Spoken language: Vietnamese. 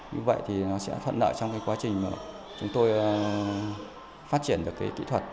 như vậy thì nó sẽ thuận nợ trong cái quá trình mà chúng tôi phát triển được cái kỹ thuật